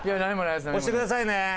押してくださいね。